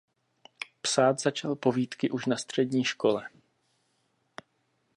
Psát začal povídky už na střední škole.